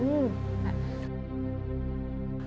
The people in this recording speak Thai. อื้อหือ